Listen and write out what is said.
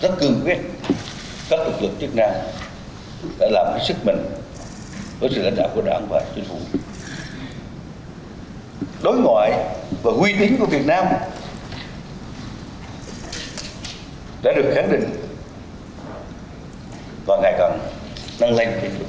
và quy tính của việt nam đã được khẳng định và ngày cận tăng lên kinh tế